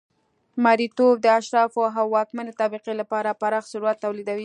مریتوب د اشرافو او واکمنې طبقې لپاره پراخ ثروت تولیدوي